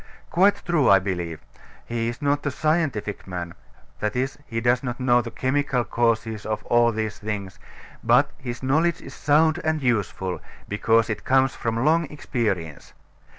Quite true, I believe. He is not a scientific man that is, he does not know the chemical causes of all these things; but his knowledge is sound and useful, because it comes from long experience.